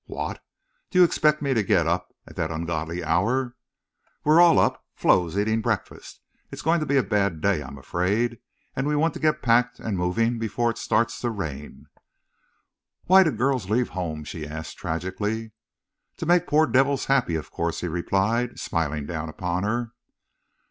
"What!... Do you expect me to get up at that ungodly hour?" "We're all up. Flo's eating breakfast. It's going to be a bad day, I'm afraid. And we want to get packed and moving before it starts to rain." "Why do girls leave home?" she asked, tragically. "To make poor devils happy, of course," he replied, smiling down upon her.